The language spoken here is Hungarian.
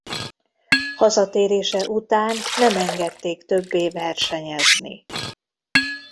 Hazatérése után nem engedték többé versenyezni.